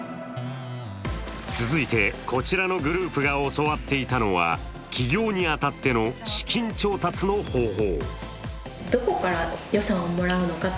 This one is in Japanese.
続いて、こちらのグループが教わっていたのは企業に当たっての資金調達の方法。